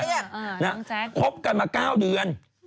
น้องแจ๊กครบกันมา๙เดือน